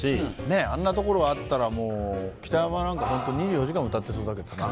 ねえあんなところあったらもう北山なんか本当２４時間歌ってそうだけど。